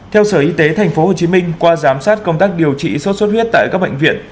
theo sở y tế tp hcm qua giám sát công tác điều trị sốt xuất huyết tại các bệnh viện